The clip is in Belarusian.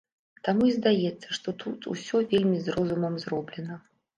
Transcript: Таму і здаецца, што тут усё вельмі з розумам зроблена.